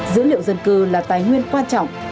dữ liệu dân cư là tài nguyên quan trọng